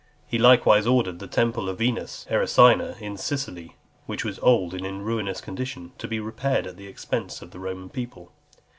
He likewise ordered the temple of Venus Erycina in Sicily, which was old and in a ruinous condition, to be repaired at the expense of the Roman people.